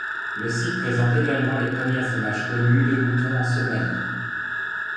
Le site présente également les premières images connues de moutons en Somalie.